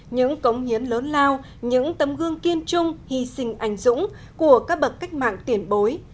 những cống hiến lớn lao những tấm gương kiên trung hy sinh anh dũng của các bậc cách mạng tiền bối